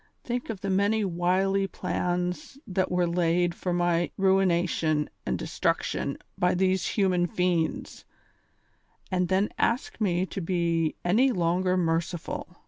Think of the many wily plans that were laid for my ruination and destruction by tliese human fiends, and then ask me to be any longer merciful.